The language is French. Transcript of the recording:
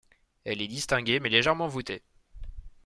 Elle est distinguée mais légèrement voûtée.